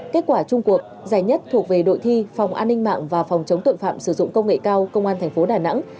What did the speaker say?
kết quả chung cuộc giải nhất thuộc về đội thi phòng an ninh mạng và phòng chống tội phạm sử dụng công nghệ cao công an thành phố đà nẵng